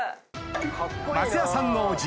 松也さんのおじ